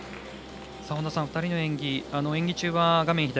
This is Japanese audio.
２人の演技、演技中は画面